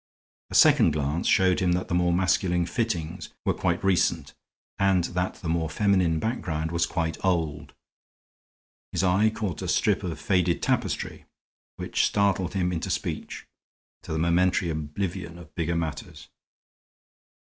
A second glance showed him that the more masculine fittings were quite recent, and that the more feminine background was quite old. His eye caught a strip of faded tapestry, which startled him into speech, to the momentary oblivion of bigger matters.